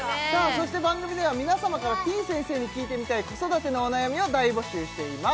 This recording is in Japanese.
そして番組では皆様からてぃ先生に聞いてみたい子育てのお悩みを大募集しています